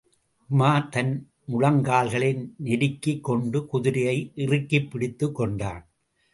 உமார் தன் முழங்கால்களை நெருக்கிக் கொண்டு குதிரையை இறுக்கிப் பிடித்துக் கொண்டான்.